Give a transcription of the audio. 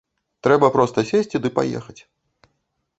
Трэба проста сесці ды паехаць.